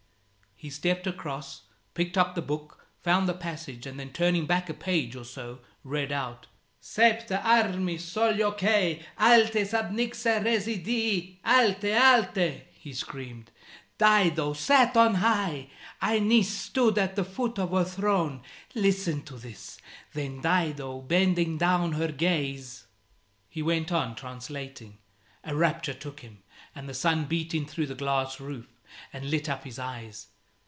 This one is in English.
He stepped across, picked up the book, found the passage, and then turning back a page or so, read out "Saepta armis solioque alte subnixa resedit." "Alte! Alte!" he screamed: "Dido sat on high: Aeneas stood at the foot of her throne. Listen to this: 'Then Dido, bending down her gaze ...'" He went on translating. A rapture took him, and the sun beat in through the glass roof, and lit up his eyes.